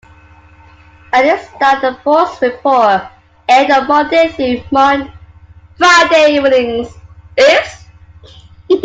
At its start, the "Fox Report" aired on Monday through Friday evenings.